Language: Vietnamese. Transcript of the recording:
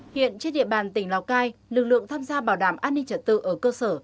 hiện trên địa bàn tỉnh lào cai lực lượng tham gia bảo đảm an ninh trật tự ở cơ sở